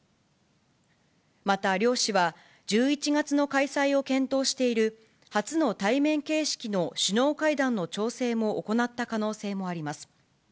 また両氏は、１１月の開催を検討している、初の対面形式の首脳会談の調整も行った可能性もあります。